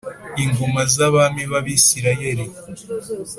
ingoma z abami b Abisirayeli